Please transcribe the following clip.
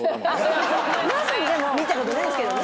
見たことないですけどね。